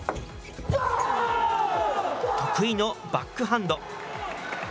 得意のバックハンド。